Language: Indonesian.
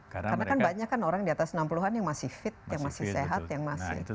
karena kan banyak kan orang di atas enam puluh an yang masih fit yang masih sehat